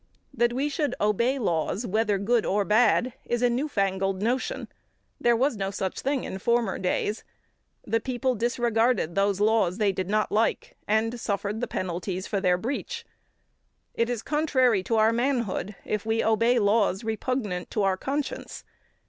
That we should obey laws whether good or bad is a new fangled notion. There was no such thing in former days. The people disregarded those laws they did not like, and suffered the penalties for their breach. It is contrary to our manhood, if we obey laws repugnant to our conscience.